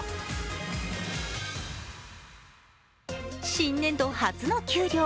新年度初の給料。